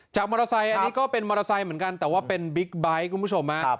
มอเตอร์ไซค์อันนี้ก็เป็นมอเตอร์ไซค์เหมือนกันแต่ว่าเป็นบิ๊กไบท์คุณผู้ชมฮะ